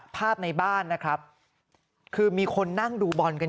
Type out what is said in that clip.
ภาพในบ้านนะครับคือมีคนนั่งดูบอลกัน